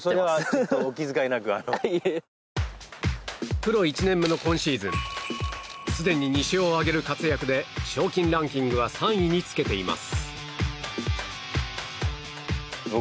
プロ１年目の今シーズンすでに２勝を挙げる活躍で賞金ランキングは３位につけています。